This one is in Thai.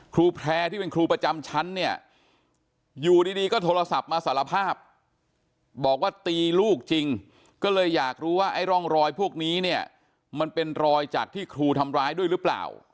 ครูแพร่ที่เป็นครูประจำชั้นเนี่ยอยู่ดีก็โทรศัพท์มาสารภาพบอกว่าตีลูกจริงก็เลยอยากรู้ว่าไอ้ร่องรอยพวกนี้เนี่ยมันเป็นรอยจากที่ครูทำร้ายด้วยหรือเปล่า